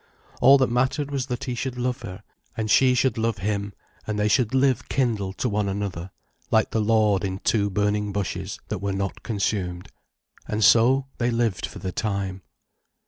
All that mattered was that he should love her and she should love him and they should live kindled to one another, like the Lord in two burning bushes that were not consumed. And so they lived for the time.